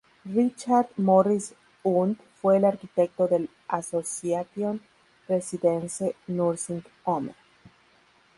Richard Morris Hunt fue el arquitecto del Association Residence Nursing Home.